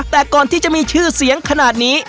แต่ก่อนที่จะมีชื่อเสียงขนาดนี้